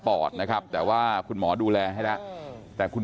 พี่สาวอายุ๗ขวบก็ดูแลน้องดีเหลือเกิน